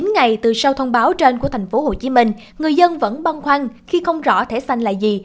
chín ngày từ sau thông báo trên của tp hcm người dân vẫn băn khoăn khi không rõ thẻ xanh là gì